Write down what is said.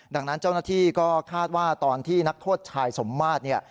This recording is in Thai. ดังนั้นเจ้าหน้าที่ก็คาดว่าตอนที่นักโทษชายสมมาตรเนี่ย